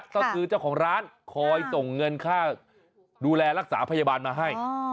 ก็คือเจ้าของร้านคอยส่งเงินค่าดูแลรักษาพยาบาลมาให้